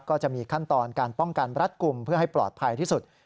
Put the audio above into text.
ก็จะมีขั้นตอนการป้องกันรัดกลุ่มเพื่อให้ปลอดภัยที่สุด